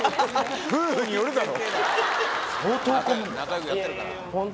夫婦によるだろ。